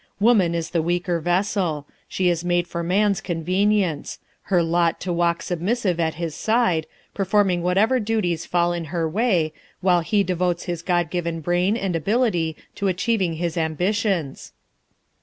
Woman is the weaker vessel. She is made for man's convenience; her lot to walk submissive at his side, THE SECRETARY OF STATE 323 performing whatever duties fall in her way, while he devotes his God given brain and ability to achieving his ambitions.